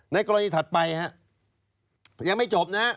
ในกรณีถัดไปยังไม่จบนะ